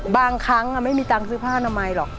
บางครั้งไม่มีตังค์ซื้อผ้าอนามัยหรอก